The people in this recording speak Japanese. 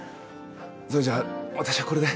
それじゃあ私はこれで。